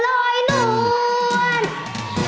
อย่าปล่อยเกินร้อยนู่น